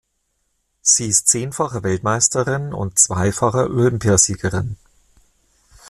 Sie ist zehnfache Weltmeisterin und zweifache Olympiasiegerin.